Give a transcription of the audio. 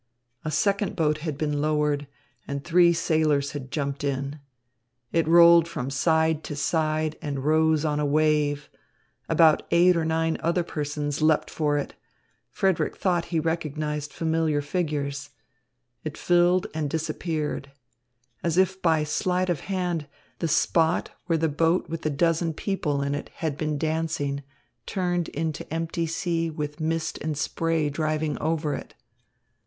A second boat had been lowered, and three sailors had jumped in. It rolled from side to side and rose on a wave. About eight or nine other persons leapt for it Frederick thought he recognised familiar figures. It filled and disappeared. As if by sleight of hand, the spot where the boat with the dozen people in it had been dancing turned into empty sea with mist and spray driving over it.